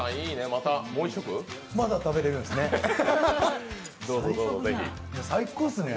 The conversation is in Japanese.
まだ食べれるんですね。